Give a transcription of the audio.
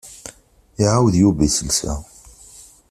Iɛawed Yuba iselsa.